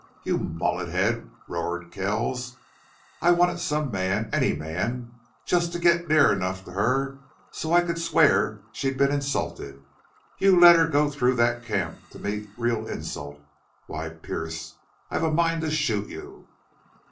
"You mullet head!" roared Kells. "I wanted some man any man to get just near enough to her so I could swear she'd been insulted. You let her go through that camp to meet real insult!... Why ! Pearce, I've a mind to shoot you!"